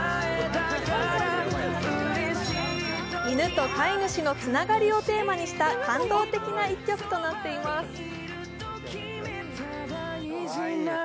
犬と飼い主のつながりをテーマにした感動的な一曲となっています。